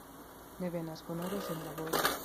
Ne venas honoro sen laboro.